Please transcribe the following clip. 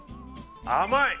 甘い！